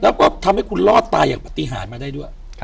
แล้วก็ทำให้คุณรอดตายอย่างปฏิหารมาได้ด้วย